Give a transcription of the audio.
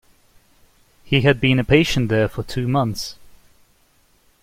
He had been a patient there for two months.